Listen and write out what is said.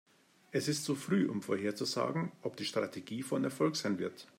Es ist zu früh, um vorherzusagen, ob die Strategie von Erfolg sein wird.